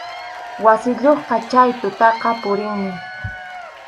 Wasiyuqqa chay tutaqa purinmi.